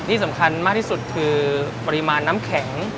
ที่สำคัญมากที่สุดคือปริมาณน้ำแข็ง